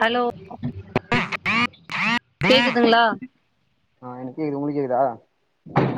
Hello கேக்குதுங்ளா ஆ எனக் கேக்து உங்களுக்கு கேக்தா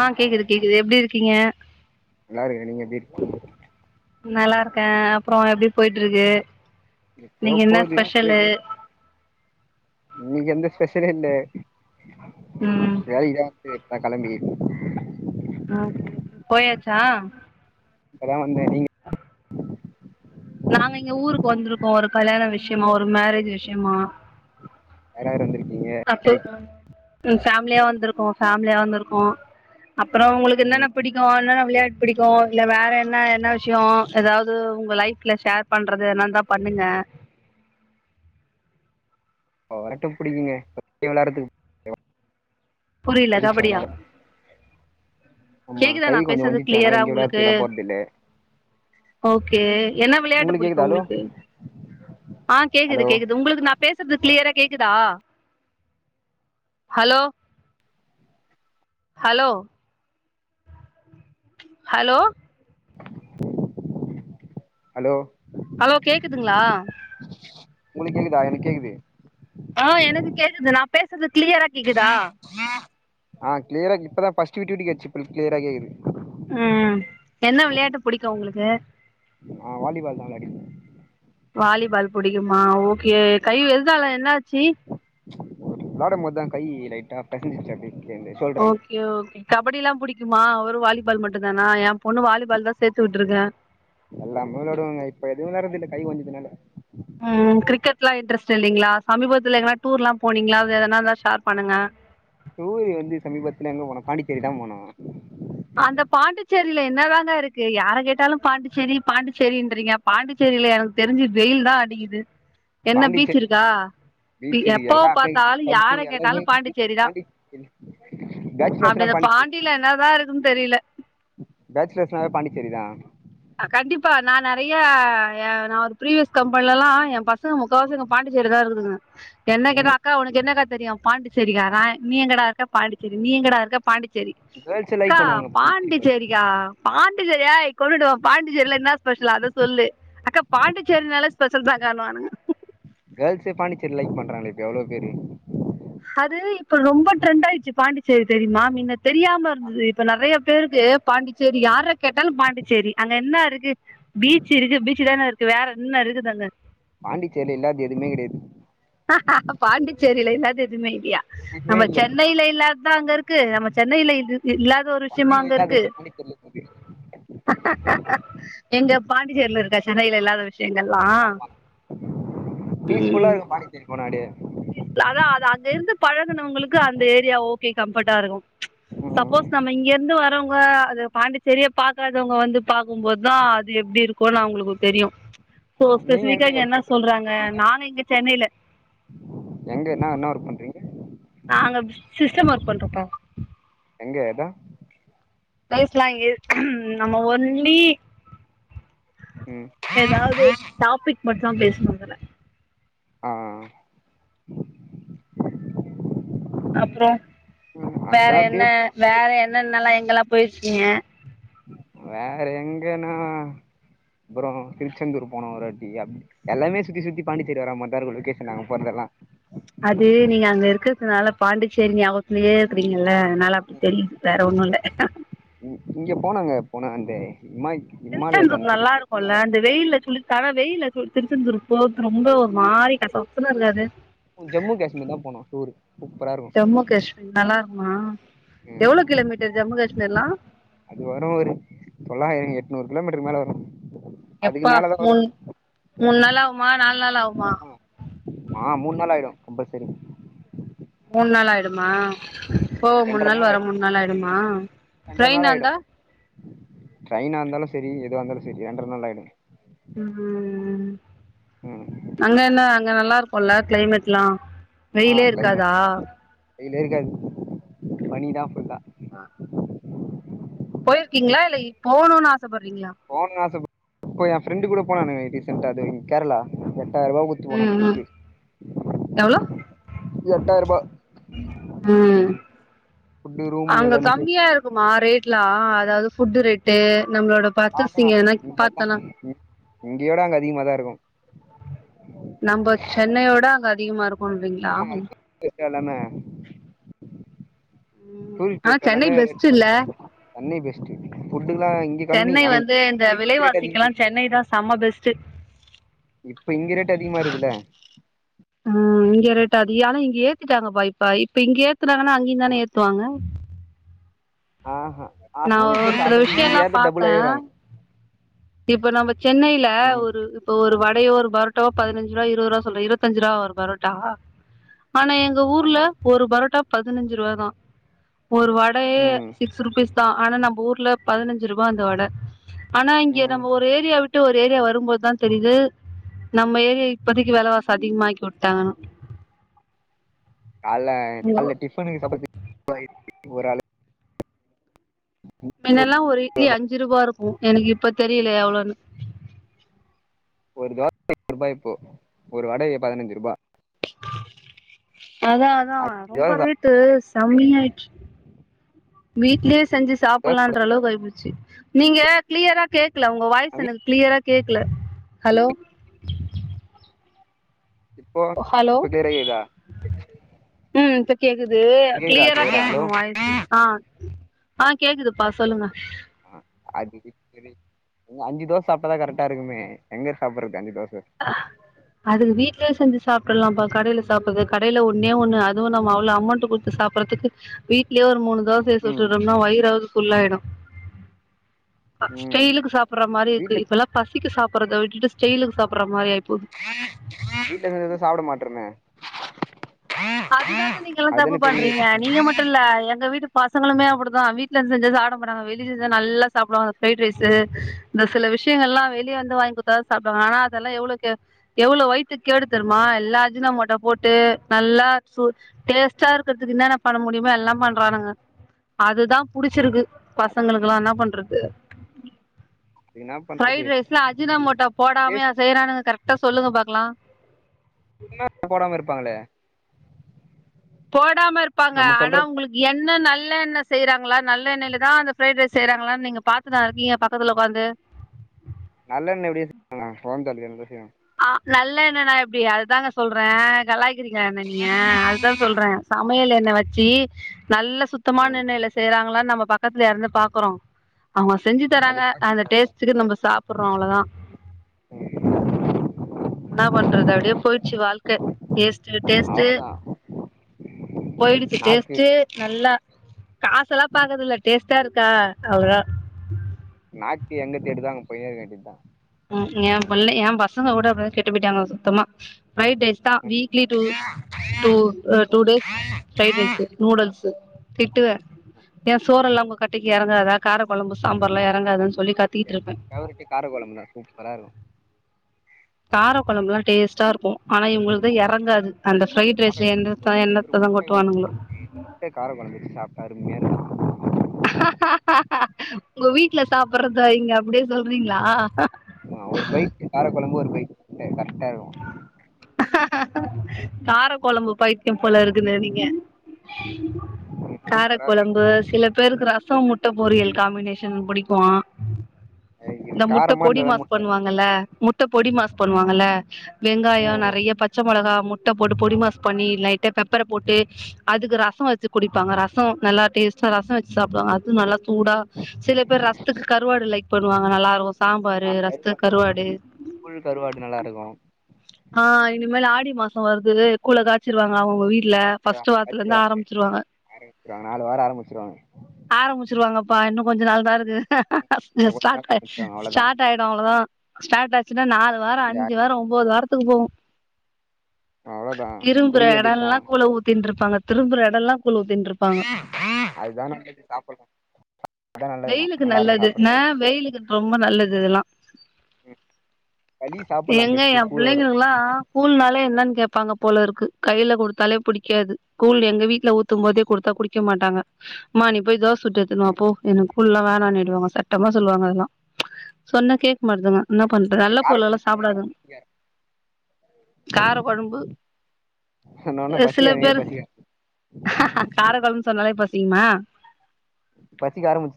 ஆ கேக்குது கேக்குது எப்டி இருக்கீங்க நல்லா இருக்றே நீங்க எப்டி இருக்கி நல்லா இருக்கே அப்றோ எப்டி போய்ட்டுருக்கு ஏதோ இன்னைக்கி என்ன போகுது ஸ்பெஷலு இன்னைக்கி எந்த ஸ்பெஷலு இல்ல ம் வேலைக்தா போய்ருபே கிளம்பி ஆ ஓகே ஓகே போயாச்சா இப்பதா வந்தே நீங்க நாங்க இங்க ஊருக்கு வந்திருக்கோ ஒரு கல்யாண விஷ்யமா ஒரு மேரேஜ் விஷ்யமா யார் யார் வந்திருக்கீங்க தப்பு சரி ஃபேமிலியா வந்திருக்கோ ஃபேமிலியா வந்திருக்கோ அப்பறோ உங்களுக்கு என்னன்ன ம் பிடிக்கு என்னன்ன விளையாட்டு பிடிக்கு இல்ல வேற என்ன என்ன விஷ்யோ ஏதாவது உங்க லைஃப்ல ஷேர் பண்றது எதானா இருந்தா பண்ணுங்க [unintelligible] புடிக்குங்க [inaudible] விளையாறதுக்கு புரியல கபடியா அதனால ஆமா கேக்குதா கை நா கொஞ்சோ பேசறது வஞ்சிச்சு அதனால கிளியரா எங்கயு உங்களுக்கு விளாட்றதுக்குலா போறது இல்ல ஓகே என்ன விளையாட்டு உங்களுக்கு புடிக்கு கேக்குதா ஹலோ உங்களுக்கு ஆ கேக்குது ஹலோ கேக்குது உங்களுக்கு நா பேசுறது கிளியரா கேக்குதா hello hello hello hello hello கேக்குதுங்ளா உங்களுக்கு கேக்குதா எனக்கு கேக்குது ஆ எனக்கு கேக்குது நா பேசறது கிளியரா கேக்குதா ஆ கிளியரா இப்பதா ஃபஸ்ட்டு விட்டு விட்டு கேட்டுச்சு இப்ப கிளியரா கேக்குது ஆ என்ன விளையாட்டு புடிக்கு உங்களுக்கு நா வாலிபால் தா விளாடிருந்தே வாலிபால் புடிக்குமா ஓகே கை எதுனால என்னாச்சு விளாடமோது தா கை லைட்டா பெசஞ்சிருச்சு அப்டியே இந்த ஓ ஷோல்டராண்ட கே ஓகே கபடிலா புடிக்குமா வெறு வாலிபால் மட்டுந்தானா எ பொண்ணு வாலிபால் தா சேத்துவுட்ருக்கே எல்லாமே விளாடுவங்க இப்ப எது விளாட்றதில்ல கை ஒட்ஞ்சதுனால ஆ கிரிக்கெட்லா இன்ட்ரெஸ்ட் இல்லைங்ளா சமீபத்துல எங்கனா டூர்லா போனீங்ளா வேற எதனா இருந்தா ஷேர் பண்ணுங்க டூர் வந்து சமீபத்துல எங்க போனோ பாண்டிச்சேரி தா போனோ அந்த பாண்டிச்சேரில என்னதாங்க இருக்கு யார கேட்டாலு பாண்டிச்சேரி பாண்டிச்சேரின்றீங்க பாண்டிச்சேரில எனக் தெரிஞ்சு வெயில் தா அடிக்குது என்ன பீச் பாண்டிச்சேரி இருக்கா பி பீச் இருக்கு எப்போ எல்லாமே இருக்கு பாத்தாலு பப்பு யார கேட்டாலு எல்லாமே பாண்டிச்சேரி தா பாண்டிச்சேரி அப்டி பேச்சுலர்ஸ்னா அந்த பாண்டிச்சேரி பாண் டில என்னதா இருக்குன் தெரியல பேச்சுலர்ஸ்னாவே பாண்டிச்சேரி தா கண்டிப்பா நா நெறையா எ நா ஒரு பிரிவியஸ் கம்பெனிலலா எ பசங்க முக் காவாசி அங்க பாண்டிச்சேரில தா இருக்குதுங்க என்ன கேட்டா ம் அக்கா உனக்கு என்னக்கா தெரியு பாண்டிச்சேரிக்கா நா நீ எங்கடா இருக்க பாண்டிச்சேரி நீ எங்கடா இருக்க பாண்டிச் சேரி கேர்ள்ஸே லைக் அக்கா பண்ணுவாங்க பாண்டிச்சேரி போய் பாண்டிசேரிக்கா பாண்டிசேரி யாய் கொன்னுடுவே பாண்டிச்சேரில இன்னா ஸ்பெஷல் அத சொல்லு அக்கா பாண்டிச்சேரினாலே ஸ்பெஷல்தாக்கானுவானுங்க கேர்ள்ஸே பாண்டிச்சேரி லைக் பண்றாங்களே இப்ப எவ்ளோ பேரு அது இப்ப ரொம்ப ட்ரெண்ட் ஆயிருச்சு பாண்டிச்சேரி தெரியுமா மின்ன தெரியாம இருந்தது இப்ப நெறைய பேருக்கு பாண்டிச்சேரி யாரக் கேட்டாலு பாண்டிச்சேரி அங்க என்னா இருக்கு பீச் இருக்கு பீச்சு தான இருக்கு வேற என்ன இருக்குது அங்க பாண்டிச்சேரில இல்லாதது எதுமே கெடையாது பாண்டிச்சேரில இல்லாதது எதுமே இல்லையா எதுவுமே நம்ம இல்ல சென்னைல இல்லாத தா அங்க இருக்கு நம்ம சென்னைல இது இ இல்லாத ஒரு விஷ்யமா சென்னையில அங்க இல்லாத இருக்கு பாண்டிச்சேரில இருக்குது எங்க பாண்டிச்சேரில இருக்கா சென்னைல இல்லாத விஷ் ஆமா ஃபீஸ் ஃபுல்லா ம் இருக்கு பாண்டிச்சேரி போனா அப்டியே அதா அது அங்க இருந்து பழகுனவ்ங்களுக்கு அந்த ஏரியா ஓகே கம்ஃபர்ட்டா இருக்கு ம் சப்போஸ் நம்ம இங்கெருந்து வரவ்ங்க அது பாண்டிச்சேரியே பாக்காதவ்ங்க வந்து பாக்கும் போதுதா அது எப்டி இருக்குனு அவ்ங்களுக்கு தெரியு சோ ஆமா நீங்க ஸ்பெசிஃபிக்கா எங்க இங்க ஒர்க் என்ன பண்றீங்க சொல்றாங்க நானு இங்க சென்னைல எங்க என்னா என்னா ஒர்க் பண்றீங்க நாங்க சிஸ்டம் ஒர்க் பண்றம்பா எங்க எடோ பிளேஸ்லா இங்கே நம்ம ஒன்லி ம் எதாவ்து டாபிக் மட்டு தா பேசணு இதுல ஆ ஆ அப்றோ ம் வேற அதா என்ன அப்டியே வேற என்னென்னலா எங்கலா போயிருக்கீங்க வேற எங்கெனா அப்றோ திருச்செந்தூர் போனோ ஒரு வாட்டி அப் எல்லாமே சுத்தி சுத்தி பாண்டிச்சேரி வர மார்தா இருக்கு லொக்கேஷன் நாங்க போறதெல்லா அது நீங்க அங்க இருக்கிறதுனால பாண்டிச்சேரி நியாபக அப்டியே இருக்றீங்கல்ல அதுனால அப்டி தெரியுது வேற ஒண்ணு இல்ல இங்க போனோங்க போனோ அந்த இமாய் இமாலயஸ் திருச்செந்தூர் அந்த நல்லா சைடு போன இருக்குல்ல வெயில்ல சுளுக்கா ஆனா வெயில் திருச்செந்தூர் போறது ரொம்ப ஒரு மாரி கசகசன்னு இருக்காது ஜம்மு காஷ்மீர் தா போனு டூர்க்கு சூப்பரா இருக்கூ ஜம்மு காஷ் நல்லா இருக்குமா ம் எவ்ளோ கிலோ மீட்டர் ஜம்மு காஷ்மீர்லா அது வரு ஒரு தொள்ளாயிரோ எட்நூறு கிலோ மீட்டர் மேல வரு அதுக்கு எப்பா மேலதா வரு மூன் மூணு நாள் ஆவுமா நாலு நாள் ஆவுமா ஆமா ஆ மூணு நாள் ஆயிடு கம்பல்சரி மூணு நாள் ஆயிடுமா போவ மூணு ரெண்டர நாள் வர ஆயிடு மூணு நாள் ஆயிடுமா ரெண்டர நாள் ட்ரெயினா ஆயிடு இருந்தா ட்ரெயினா இருந்தாலு சரி எதுவா இருந்தாலு சரி ரெண்டரை நாள் ஆயிடு ம் ம் ம் ம் ம் அங்க என்ன அங்க நல்லா இருக்கோல்ல கிளைமேட்லா ஆ வெயிலே இருக்காதா கிளைமேட் வெயிலே இருக்காது பனிதா ஃபுல்லா ஆ போயிருக்கீங்களா இல்ல போவனோன்னு ஆசப்பட்றீங்களா போவணுன் ஆசபட் இப்ப எ ஃப்ரெண்டு் கூட போனானே ரீசெண்ட்டா தோ இங்க கேரளா எட்டாயிர ரூபா குத்து போன ம் ம் ட்ரிப்பு எவ்ளோ எட்டாயிர ரூபா ம் ஃபுட்டு ரூமுக்கு எல்லாமே சேத்து க்குமா ரேட்லா அதாவது ஃபுட்டு ரேட்டு நம்மளோட பாக்கணு பர்ச்சேசிங் எதனா இங்கத்தா பாத்தனா இங்கயோட அங்க அதிகமாதா இருக்கு நம்ம சென்னையோட அங்க அதிகமா இருக்கு ஆமாங்க அது சென்னை ல இருக்கு எல்லாமே டூரிஸ்ட் ஆனா பிளேஸ் சென்னை எல்லாமே பெஸ்ட் இல்ல தனி பெஸ்ட்டு ஃபுட்டுனா இங் சென்னை வந்து இந்த விலைவாசிக்லா சென்னை தா சம பெஸ்ட்டு இப்ப இங்க ரேட்டு அதிகமா இருக்குதுல்ல அ இங்க ரேட்டு அதி ஆனா இங்க ஏத்திட்டாங்கப்பா இப்ப இங்க ஏத்துனாங்கன்னா அங்கயுந்தான ஏத்துவாங்க ஆ ஹ நா அப்பவு இங்க ஒரு சில காய்கறி இங்க விஷயம்லா ஏர்றது பாத்தே டபுளா ஏறு இப்ப நம்ம சென்னையில ஒரு இப்போ ஒரு வடையோ ஒரு பரோட்டாவோ பதினஞ்சு ரூபா இருபது ரூபா சொல்றே இருபத்தஞ்சு ரூபாவா ஒரு பரோட்டா ஆனா எங் எங்க ஊர்ல ஆமா ஒரு பரோட்டா பதினஞ்சு ரூபா தா ஒரு வடையே ம் சிக்ஸ் ருபீஸ் தா ஆனா நம்ம ஊர்ல பதினஞ்சு ரூபா அந்த வடை ஆனா இங்க ம் நம்ம ஒரு ஏரி யா விட்டு ஒரு ஏரியா வரும்போது தா தெரியுது நம்ம ஏரியா இப்பதைக்கு வெலவாசி அதிகமாக்கி உட்டாங்க ஆனா கால்ல இங்க கால்ல டிஃபனுக்கு சமைக்க இப்ப இப்ப ஒரு ஆளுக்கு மின்னல்லா ஒரு இட்லி அஞ்சு ரூபா இருக்கு எனக்கு இப்ப தெரியல எவ்ளோன்னு ஒரு தோச [unintelligible] ரூபாய் இப்போ ஒரு வடை இங்க பதினஞ்சு ரூபா அதா அதா தோச ரொம்ப ரேட் டு செம்மயாயிடுச்சு வீட்லயே செஞ்சு சாப் சாப்புட்லான்ற அளவுக்கு ஆயிப்போச்சு ச்சு நீங்க க்ளியரா கேக்கல உங்க வாய்ஸ் எனக்கு க்ளியரா கேக்கல ஹலோ பக் ஹலோ இப்ப கெடைக்குதா கிளியரா கேக்கணு வாய்ஸ்சு ஆ கேக்குதுப்பா சொல்லுங்க ஆ அது சரி இங்க அஞ்சு தோஸ் சாப்டாதா கரெக்டா இருக்குமே எங்க சாப்பட்றது அஞ்சு தோச ஆ அதுக்கு வீட்லே செஞ்சு சாப்ட்டுல்லாம்பா கடைல சாப்புறது கடைல ஒன்னே ஒன்னு அதுவு நம்ம அவ்ளோ அமவ்ண்ட் குத்து சாப் புறத்துக்கு வீட்லயே ஒரு மூணு தோச ம் சுட்டுறோம்னா வயிறாவது ஃபுல்லாயிடு ம் ஸ்டைலுக்கு சாப்புட்ற மாரி இருக்கு வீட்ல இப்பல்லா பசிக்கு சாப்புட்றத விட்டுட்டு ஸ்டைலுக்கு சாப்புட்ற மாரி ஆயி போது வீட்ல இருந்ததா சாப்ட மாட்றமே அதுதான நீங்கள்லா தப்பு அதுதான பெரிய பண்றீங்க கஷ்டமா நீங்க மட்டு இல்ல எங்க வீட்டு பசங்களுமே அப்படிதா வீட்ல இருந்து செஞ்சா சாப்ட மாட்டாங்க வெளில செஞ்சா நல்லா சாப்டுவாங்க ஃப்ரைட் ரைஸு இந்த சில விஷயங்கல்லா வெளிய வந்து வாய்ங் குத்தா தா சாப்டுவாங்க ஆனா அதெல்லா எவ்ளோக்கு எவ்ளோ வயித்துக் கேடு தெர்மா எல்லா அஜினமோட்டோ போட்டு நல்லா சு டேஸ்ட்டா இருக்கற்துக்கு இன்னென்னா பண்ண முடியுமோ எல்லா பண்றானுங்க அதுதா புடிச்சிருக்கு பசங்களுக்குல்லா என்ன பண்றது இருக்கு என்னா பண்றது ஃப்ரைட் ரைஸ்ல அஜின மோட்டா போடாம்யா டேஸ்ட் செய்றானுங்க கரெக்டா சொல்லுங்க பாக்கலா இன்ன போடாம இருப்பாங்களே போடாம இருப்பாங்க நம்ம ஆனா சொல்றது உங்குளுக் எண்ணெ நல்லெண்ண செய்றாங்ளா நல்லெண்ணெயில தா அந்த ஃப்ரைட் ரைஸ் செய்றாங்ளான் நீங்க பாத்துன்னா இருக்கீங்க பக்கத்துல ஒக்காந்து நல்லெண்ண எப்டி [inaudible] வாங்க கொழம் தாளிக்கிற எண்ணெய்ல தா செய்வாங்க ஆ நல்லெண்ணண்ணா எப்டி அதுதாங்க சொல்ற கலாய்க்கிறீங்க என்ன நீங்க அதுதா சொல்ற சமையல் எண்ணெ வச்சி நல்ல சுத்தமான ம் எண்ணெய்ல செய்றாங்களான் நம்ம பக்கத்துல்யா இருந்து பாக்குறோ அவங்க செஞ்சி அது தராங்க பாக்க அந்த தேவையில்ல. டேஸ்டுக்கு நம்போ சாப்புறோம் அவ்ளோதா [inaudible] இன்னா பண்றது அப்டியே போயிச்சு வாழ்க்க டேஸ்ட்டு டேஸ்ட்டு அவ்ளோதா போயிடுச்சு நாக்கு டேஸ்ட்டு நல்லா காசெல்லா பாக்கர்தில்ல டேஸ்ட்டா இருக்கா அவ்ளதா நாக்கு எங்க தேடுதோ அங்க போய்ன்னே இருக்க வேண்டி தா ம் என் புள்ள என் பசங்க கூட அப்டி தா கெட்டு போயிட்டாங்க சுத்தமா ஃப்ரைட் ரைஸ் தா week idli two two two days fried rice noodles திட்டுவே ஏன் சோறெல்லாம் உங்க கட்டைக்கு எறங்காத கார கொழம்பு சாம்பார்ல்லா எறங்காதா சொல்லி கத்திட்டு இருப்பே கவரொட்டி காரகொழம்பு தா சூப்பரா இருக்கும் கார கொழம்புல்லா டேஸ்ட்டா இருக்கும் ஆனா இவுங்குளுக்கு எறங்காது அந்த ஃப்ரைட் ரைஸ் ஆர்டர் பண்ண எந்தத்தா என்னத்த தா கொட்டுவானுங்ளோ இப்யே கார கொழம்பு வெச்சு சாப்ட்டா அருமையா இருக்கும் உங்க வீட்ல சாப்புறத இங்க அப்டியே சொல்றீங்ளா நா ஒரு பைக் கார கொழம்பு ஒரு பைக் கரெக்டா இருக்கும் கார கொழம்பு பை த்யம் போல இருக்குது நீங்க இருக்கு கார சூப்பரா இருக்கு கொழம்பு சில பேருக்கு ரசம் முட்ட பொரியல் காம்மினேஷன் புடிக்குவா இந்த முட்ட காரமா பொடி இருந்தாதா மாஸ் முட்ட ரொம்ப புடிக்கு பண்ணுவாங்கல்ல முட்ட பொடி மாஸ் பண்ணுவாங்கல்ல வெங்காயம் ம் நெறைய பச்ச மொளகா முட்ட போட்டு பொடி மாஸ் பண்ணி லைட்டா பெப்பர போட்டு அதுக்கு ரசம் வச்சு குடிப்பாங்க ரசம் நல்லா டேஸ்ட் ரசம் வச்சு சாப்புடுவாங்க அதுவும் நல்லா சூட சில பேர் ரஸ்த்துக்கு கருவாடு லைக் பண்ணுவாங்க நல்லாருக்கும் சாம்பாரு ரஸ்த்துக் கருவாடு கூல் கருவாடு நல்லா இருக்கு ஆ இனிமேல் ஆடி மாசோ வருது கூல்ல காய்ச்சிருவாங்க அவுங்க வீட்ல ஃபர்ஸ்ட் காச்சிருவாங்க வாரத்துல இருந்து காச்சிருவாங்க ஆரம்பிச்சிருவாங்க ஆரம்பிச்சிருவாங்க நாலு வாரோ ஆரம்ச்சிருவாங்க ஆரம்பிச்சிருவாங்கப்பா இன்னு கொஞ்சம் நாள் தான் இருக்கு கொஞ்ச ஸ்டாட் நாள் ஆயிரு ஆரம்பிச்சிருவாங்க அவ்ளோதா ஸ்டாட் ஆயிடு அவ்ளோ தா ஸ்டார் ஆச்சுன்னா நாலு வார அஞ்சு ஜாலியா வார ஒன்பது வாரத்துக்கு போகு அவ்ளோதா திரும்புற குடிக்க வேண்டியதுதா எடெல்லா கூழ ஊத்தின்ட் இருப்பாங்க திரும்புற எடல்லா கூழ ஊத்தின்ட் இருப்பாங்க [unintelligible] அதா நல்லா இருக்கு வெயிலுக்கு நல்லா இருக்கு நல்லது ந சாப்பட்றதுக்கு வெயிலுக்கு ரொம்ப நல்லது இதெல்லா களி சாப்பட்லா ஏங்க ஏ பெஸ்ட்டு கூழோட புள்ளங்களுக் லா கூழ்னாலே என்னன்னு கேப்பாங்க போலற்கு கையில குடுத்தாலே புடிக்காது கூழ் எங்க வீட்ல ஊத்தும் போதே கொடுத்தா குடிக்க மாட்டாங்க மா நீ போய் தோச சுட்டு எத்துணுவா ம் போ எனக் கூல்லா வேணானுடுவாங்க சட்டமா சொல்லுவாங்க அதெல்லா சொன்ன கேட்க மாட்துங்க என்ன பண்ற நல்ல கார பொருலலா கொழம்பு சாப்ட எனக்கு சாப்டாதுங் பிடிக்காது, கார கொழம்பு சொன்னோனே சில பசி எனக்கே பேரு பசிக்க காரக் கொழம்புன்னு சொன்னாலே பசிக்குமா பசிக்க ஆரம்ச்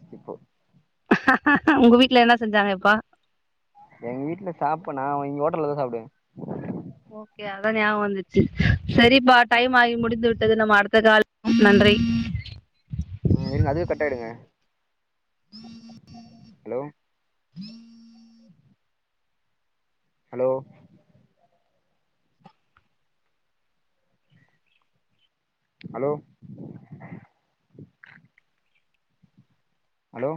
உங்க வீட்ல என்ன செஞ்சாங்க இப்ப எங்க வீட்டுல சாப்னா இங்க ஹோட்டல்ல தா சாப்டுவே ஓகே அதான் ஞாவகம் வந்துச்சு சரிப்பா ம் டைம் ஆகி முடிந்து விட்டது நம்ம அடுத்த கால் நன்றி ம் இருங்க அதுவே கட் ஆயிடுங்க அலோ ஹலோ அலோ அலோ